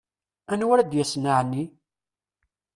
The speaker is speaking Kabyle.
Anwa ara d-yasen, ɛni?